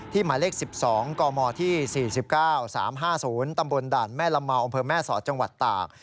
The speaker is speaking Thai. หมายเลข๑๒กมที่๔๙๓๕๐ตำบลด่านแม่ละเมาอำเภอแม่สอดจังหวัดตาก